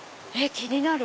気になる！